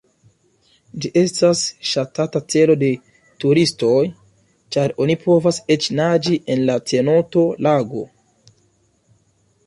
Ĝi estas ŝatata celo de turistoj, ĉar oni povas eĉ naĝi en la cenoto-lago.